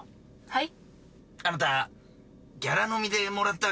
はい。